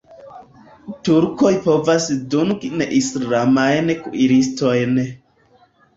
Turkoj povas dungi neislamajn kuiristojn.